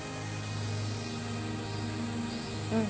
うん。